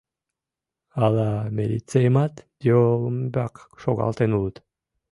Ала милицийымат йол ӱмбак шогалтен улыт?